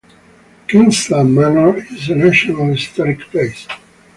Kingsland Manor is a national historic place.